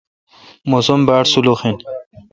موسم باڑ سولوخ این۔